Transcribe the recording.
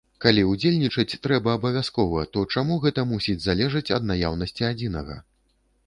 Калі ўдзельнічаць трэба абавязкова, то чаму гэта мусіць залежаць ад наяўнасці адзінага?